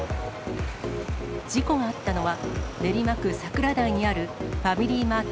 事故があったのは、練馬区桜台にあるファミリーマート